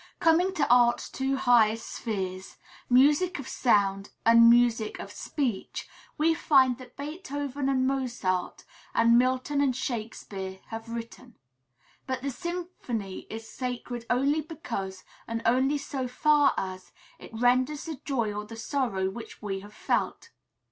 Coming to Art's two highest spheres, music of sound and music of speech, we find that Beethoven and Mozart, and Milton and Shakespeare, have written. But the symphony is sacred only because, and only so far as, it renders the joy or the sorrow which we have felt.